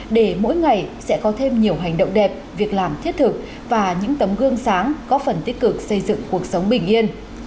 để mỗi ngày sẽ có thêm nhiều hành động đẹp việc làm thiết thực và những tấm gương sáng có phần tích cực xây dựng cuộc sống bình yên